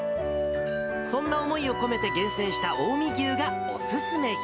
そんな思いを込めて厳選した近江牛がお勧め品。